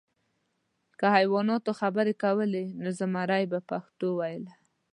که حیواناتو خبرې کولی، نو زمری به پښتو ویله .